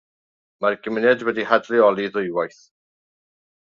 Mae'r gymuned wedi'i hadleoli ddwywaith.